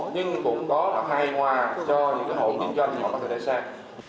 nhưng cũng có hai hoa cho những hộ kinh doanh hoặc là thời gian